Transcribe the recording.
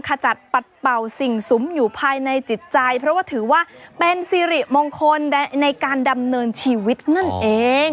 ขจัดปัดเป่าสิ่งสุมอยู่ภายในจิตใจเพราะว่าถือว่าเป็นสิริมงคลในการดำเนินชีวิตนั่นเอง